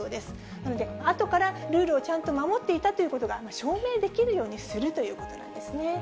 なので、あとからルールをちゃんと守っていたということが、証明できるようにするということなんですね。